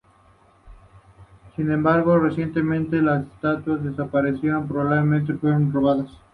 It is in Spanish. Sin embargo recientemente las estatuas desaparecieron; probablemente fueron robadas.